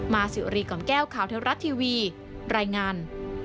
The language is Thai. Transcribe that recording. สิวรีกล่อมแก้วข่าวเทวรัฐทีวีรายงาน